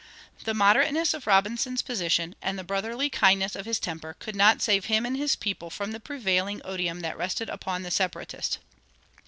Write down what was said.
The moderateness of Robinson's position, and the brotherly kindness of his temper, could not save him and his people from the prevailing odium that rested upon the Separatist.